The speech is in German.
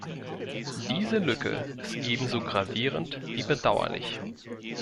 Diese Lücke ist ebenso gravierend wie bedauerlich.